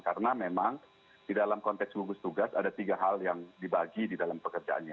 karena memang di dalam konteks hubungan tugas ada tiga hal yang dibagi di dalam pekerjaannya